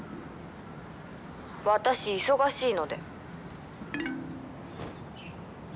「私忙しいので」